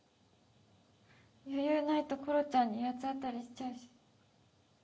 余裕ないところちゃんに八つ当たりしちゃうし